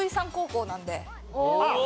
あっ！